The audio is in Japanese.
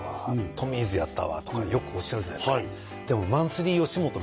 「トミーズやったわ」とかよくおっしゃるじゃないですかでも「マンスリーよしもと」